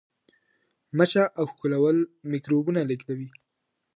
مچه او ښکلول میکروبونه لیږدوي.